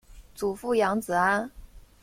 祖父杨子安。